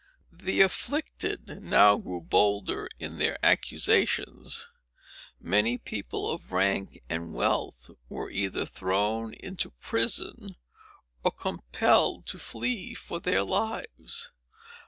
The afflicted now grew bolder in their accusations. Many people of rank and wealth were either thrown into prison, or compelled to flee for their lives.